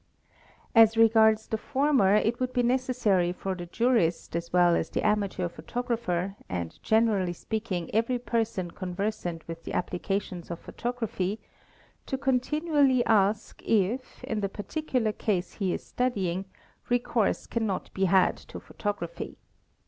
As regards the former it would be necessary for the jurist as well as the amateur photographer, and generally speaking every person conversant with the applications of photography, to continually ask if, in the particular case he is studying, recourse can not be had to photography.